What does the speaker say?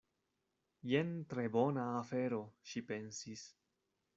"Jen tre bona afero," ŝi pensis.